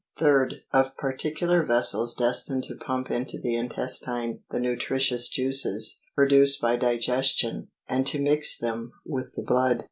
3rd. Of particular vessels destined to pump into the intes tine the nutritious juices, produced by digestion, and to mix them with the blood.